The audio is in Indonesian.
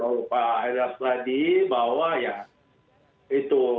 oleh pak hadar tadi bahwa ya itu